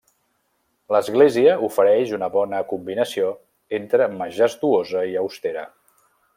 L’església ofereix una bona combinació entre majestuosa i austera.